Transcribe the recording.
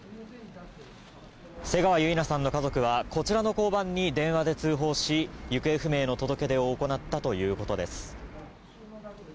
瀬川結菜さんの家族はこちらの交番に電話で通報し行方不明の届け出を行ったということです。